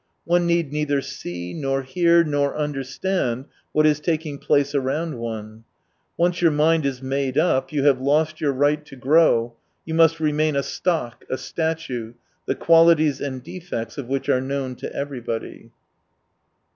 One need neither see, nor hear, nor understand what is taking place around one : once your mind is made up, you ha; ve lost your right to grow, you must remain a stock, a statue, the qualities and defects of which are known to everybody.